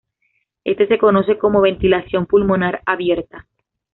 Esto se conoce como "ventilación pulmonar abierta".